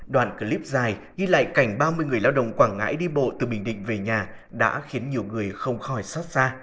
đoạn clip dài ghi lại cảnh ba mươi người lao động quảng ngãi đi bộ từ bình định về nhà đã khiến nhiều người không khỏi xót xa